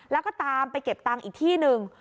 แล้วก็ตามไปเก็บตังค์อีกที่หนึ่ง